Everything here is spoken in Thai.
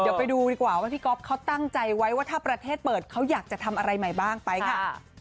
เดี๋ยวไปดูดีกว่าว่าพี่ก๊อฟเขาตั้งใจไว้ว่าถ้าประเทศเปิดเขาอยากจะทำอะไรใหม่บ้างไปค่ะ